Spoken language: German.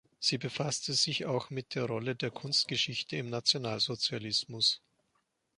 Sie befasste sich auch mit der Rolle der Kunstgeschichte im Nationalsozialismus.